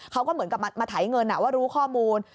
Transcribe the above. เขาก็เหมือนกับมาไถเงินว่ารู้ข้อมูล